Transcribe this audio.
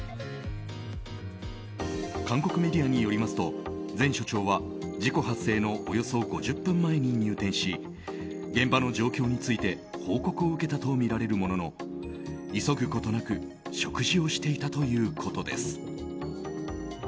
韓国メディアによりますと前署長は事故発生のおよそ５０分前に入店し現場の状況について報告を受けたとみられるものの急ぐことなく食事をしていたということです。